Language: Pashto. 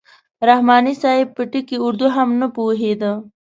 رحماني صاحب په ټکي اردو هم نه پوهېده.